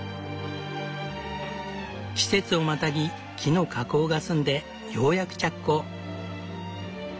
季節をまたぎ木の加工が済んでようやく着工。